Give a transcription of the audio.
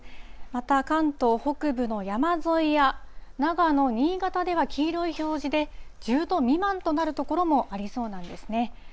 また関東北部の山沿いや、長野、新潟では黄色い表示で、１０度未満となる所もありそうなんですね。